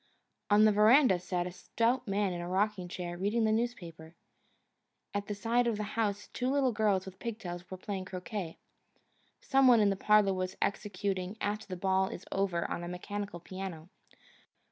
On the veranda sat a stout man in a rocking chair, reading the newspaper. At the side of the house two little girls with pig tails were playing croquet. Some one in the parlour was executing "After the Ball is Over" on a mechanical piano.